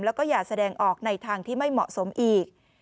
แล้วก็อย่าแสดงออกในทางที่ไม่เหมาะสมอีก